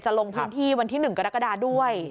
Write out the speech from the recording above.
ลงพื้นที่วันที่๑กรกฎาด้วย